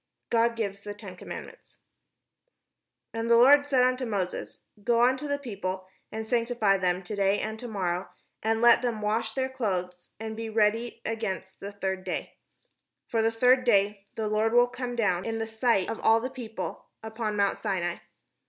GOD GIVES THE TEN COMMANDMENTS And the Lord said unto Moses: " Go unto the people, and sanctify them to day and to morrow and let them wash their clothes, and be ready against the third day: for the third day the Lord will come down in the sight of 533 PALESTINE all the people upon mount Sinai.